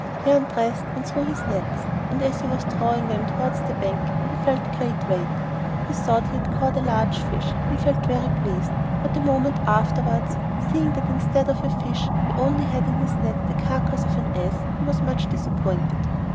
He undressed and threw his nets, and as he was drawing them towards the bank he felt a great weight. He though he had caught a large fish, and he felt very pleased. But a moment afterwards, seeing that instead of a fish he only had in his nets the carcase of an ass, he was much disappointed.